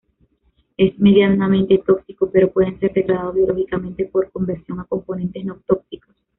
Es medianamente tóxico, pero puede ser degradado biológicamente por conversión a componentes no tóxicos.